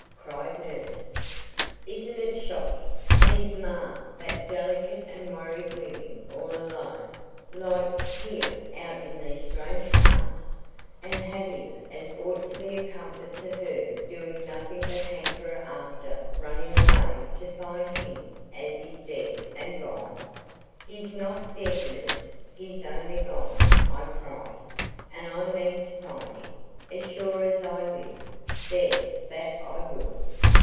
cried nurse. "Isn't it shocking? and his ma that delicate and worried living all alone, like, here out in these strange parts, and him as ought to be a comfort to her doing nothing but hanker after running away to find him as is dead and gone." "He's not dead, nurse; he's only gone," I cried; "and I mean to find him, as sure as I live. There, that I will."